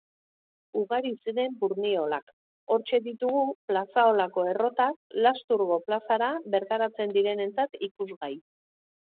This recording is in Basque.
Ugari ziren burdinolak, hortxe ditugu Plazaolako errotak Lasturko plazara bertatzen direnentzat ikusgai